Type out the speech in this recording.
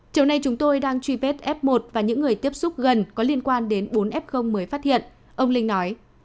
châu nay chúng tôi đang truy vết f một và những người tiếp xúc gần có liên quan đến bốn f mới phát hiện ông linh nói